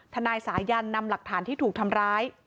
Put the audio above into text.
นายสายันนำหลักฐานที่ถูกทำร้าย